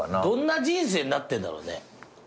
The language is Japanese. どんな人生になってんだろうね。